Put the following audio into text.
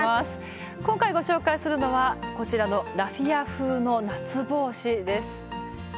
今回ご紹介するのはこちらのラフィア風の夏帽子です。